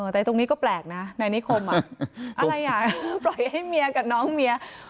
แต่ตรงนี้ก็แปลกนะนายนิคมอะไรอ่ะปล่อยให้เมียกับน้องเมีย